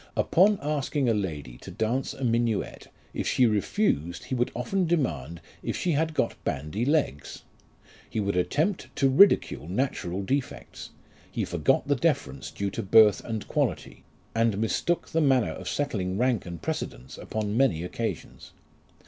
Upon asking a lady to dance a minuet, if she refused he would often demand if she had got bandy legs. He would attempt to ridicule natural defects ; he forgot the deference due to birth and quality, and mistook the manner of settling rank and precedence upon many occasions.